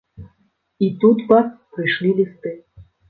І тут, бац, прыйшлі лісты.